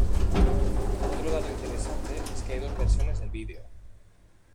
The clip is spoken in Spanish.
Otro dato interesante es que hay dos versiones del video.